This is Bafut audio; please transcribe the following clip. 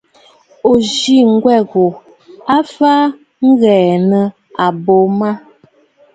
Ò ghɛ nyweʼe ghu, ò faʼà ŋ̀ghɛɛ nɨ̂ àbô màʼà.